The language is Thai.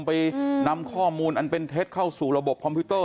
ไปนำข้อมูลอันเป็นเท็จเข้าสู่ระบบคอมพิวเตอร์